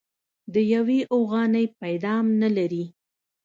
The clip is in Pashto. د يوې اوغانۍ پيدام نه لري.